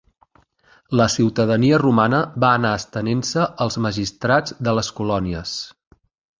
La ciutadania romana va anar estenent-se als magistrats de les colònies.